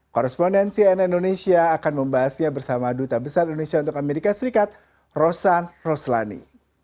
korrespondensi nn indonesia akan membahasnya bersama duta besar indonesia untuk amerika serikat rosan roslani